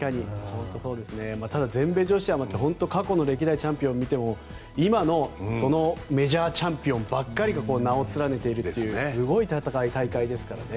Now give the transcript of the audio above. ただ全米女子アマは過去の歴代チャンピオンを見ても今のメジャーチャンピオンばっかりが名を連ねているすごい大会ですから。